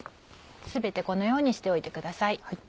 全てこのようにしておいてください。